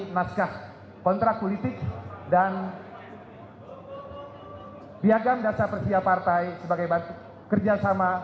naskah kontrak politik dan piagam dasar persia partai sebagai kerjasama